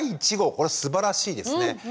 これすばらしいですね。